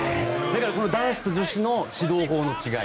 男子と女子の指導法の違い